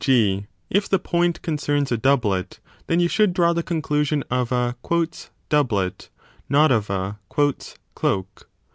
g. if the point concerns a doublet, then you should draw the conclusion of a doublet , 3 not of a cloak